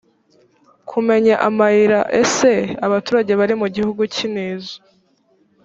kumenya amayira ese abaturage bari mu gihugu k intizo